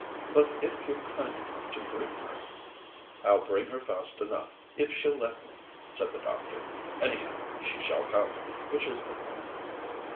But if you're kind enough to bring her " "I'll bring her fast enough, if she'll let me," said the doctor. "Anyhow, she shall come, which is the point.